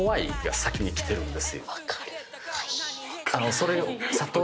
それを。